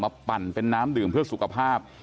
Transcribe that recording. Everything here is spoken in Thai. ปั่นเป็นน้ำดื่มเพื่อสุขภาพ